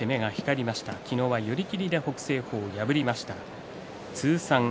昨日は寄り切りで北青鵬を破っています。